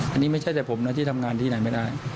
อันนี้ไม่ใช่แต่ผมนะที่ทำงานที่ไหนไม่ได้